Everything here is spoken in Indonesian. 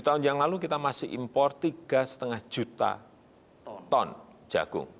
sepuluh tahun yang lalu kita masih impor tiga lima juta ton jagung